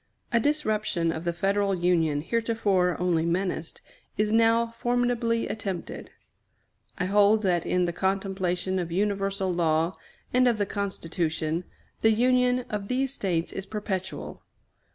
A disruption of the Federal Union, heretofore only menaced, is now formidably attempted. I hold that in the contemplation of universal law and of the Constitution, the union of these States is perpetual.